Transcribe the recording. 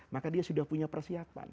maka dia sudah punya persiapan